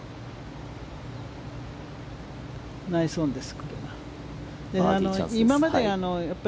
ナイスオンです。